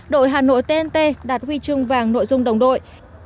đội hà nội tnt đạt huy chương vàng nội dung đồng đội